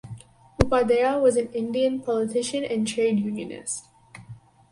Upadhyaya was an Indian politician and trade unionist.